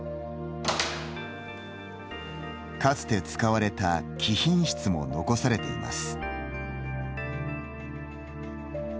かつて使われた貴賓室も残されています。